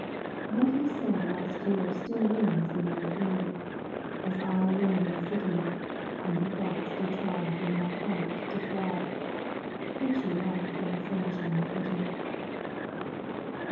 "What you said last year Still rings in my ear, As I all alone am sitting, And your thoughts do try In my heart to fly, Picture life in sunshine flitting.